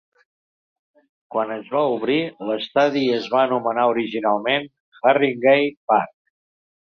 Quan es va obrir, l'estadi es va anomenar originalment Harringay Park.